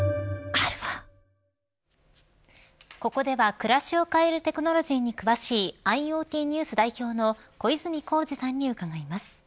ここでは暮らしを変えるテクノロジーに詳しいＩｏＴＮＥＷＳ代表の小泉耕二さんに伺います。